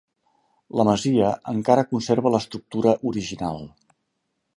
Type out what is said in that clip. La masia encara conserva l'estructura original.